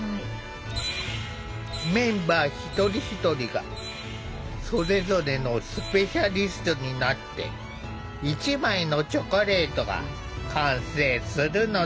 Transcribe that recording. メンバー一人一人がそれぞれのスペシャリストになって１枚のチョコレートが完成するのだ。